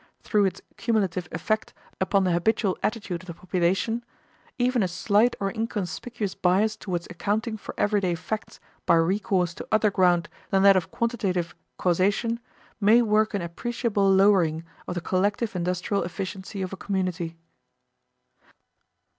Through its cumulative effect upon the habitual attitude of the population, even a slight or inconspicuous bias towards accounting for everyday facts by recourse to other ground than that of quantitative causation may work an appreciable lowering of the collective industrial efficiency of a community.